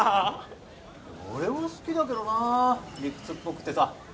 俺は好きだけどな理屈っぽくてさ。